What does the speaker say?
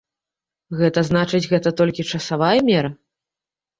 Гэта значыць, гэта толькі часавая мера?